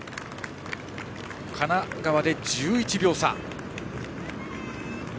神奈川が１１秒差。